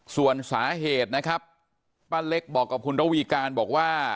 ส่วนสาเหตุนะครับป้าเล็กบอกกับคุณระวีการบอกว่า